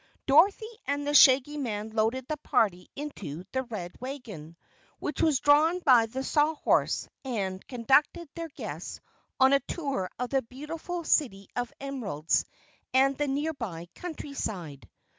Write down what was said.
Dorothy and the Shaggy Man loaded the party into the Red Wagon, which was drawn by the Sawhorse, and conducted their guests on a tour of the beautiful City of Emeralds and the nearby countryside.